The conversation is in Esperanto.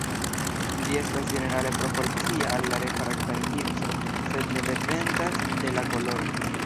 Ĝi estas ĝenerale proporcia al la refrakta indico, sed ne dependas de la koloro.